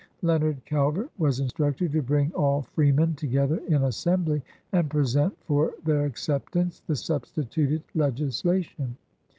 Leonard Calvert was instructed to bring all freemen to gether in Assembly and present for their accept ance the substituted legislation.